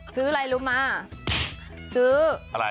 ซื้ออะไรรู้มั้ยซื้อ๖๔